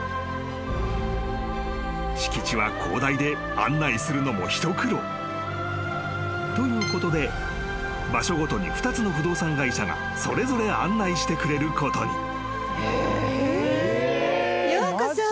［敷地は広大で案内するのも一苦労］［ということで場所ごとに２つの不動産会社がそれぞれ案内してくれることに］